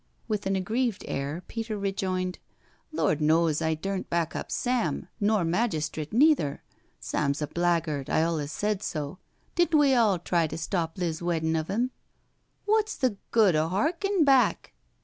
With an aggrieved air Peter rejoined: " Lord knows I durnt back up Sam nor majistrit neither. Sam's a blaguard— I olez said so — didn't we all try to stop Liz weddin* of him?" " Wot's the good o* harkin' back?"